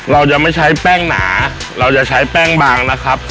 เรายังไม่ใช้แป้งหนาเราจะใช้แป้งบางนะครับ